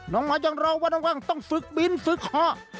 น้องน้อยยังรอว่าต้องฝึกบินฝึกฮะ